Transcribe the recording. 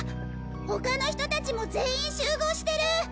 他の人達も全員集合してる！